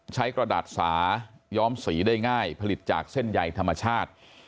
กระดาษสาย้อมสีได้ง่ายผลิตจากเส้นใหญ่ธรรมชาติ